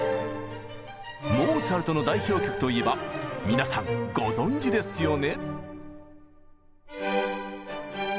モーツァルトの代表曲といえば皆さんご存じですよね。